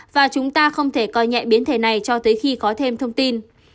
và chúng ta không thể coi nhẹ biến thể này cho tới khi có thêm thông tin